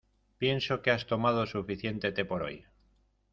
Pienso que has tomado suficiente té por hoy.